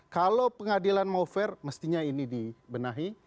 kalau pengadilan mau fair mestinya ini dibenahi